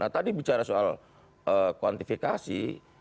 tadi bicara soal kuantifikasi